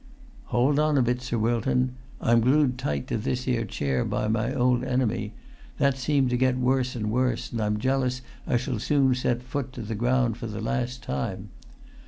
"Hold on a bit, Sir Wilton. I'm glued tight to this here chair by my old enemy; that seem to get worse and worse, and I'm jealous I shall soon set foot to the ground for the last time.